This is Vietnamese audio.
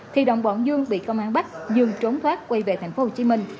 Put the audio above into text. thì đồng bọn dương bị công an bắt dương trốn thoát quay về tp hcm